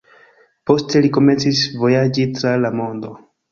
Poste li komencis vojaĝi tra la mondo.